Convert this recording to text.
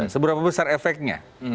seberapa besar efeknya